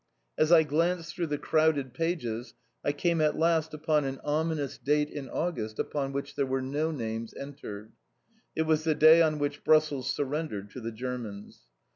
As I glanced through the crowded pages I came at last upon an ominous date in August upon which there were no names entered. It was the day on which Brussels surrendered to the Germans.